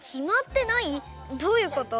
どういうこと？